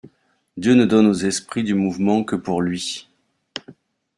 Dieu ne donne aux esprits du mouvements que pour lui.